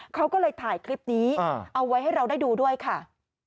เขาก็เลยถ่ายคลิปนี้เอาไว้ให้เราได้ดูด้วยค่ะ